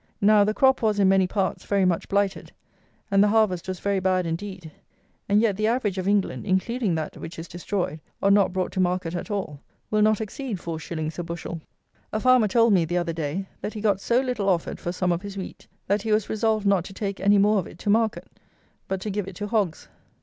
Now, the crop was, in many parts, very much blighted, and the harvest was very bad indeed; and yet the average of England, including that which is destroyed, or not brought to market at all, will not exceed 4_s._ a bushel. A farmer told me, the other day, that he got so little offered for some of his wheat, that he was resolved not to take any more of it to market; but to give it to hogs.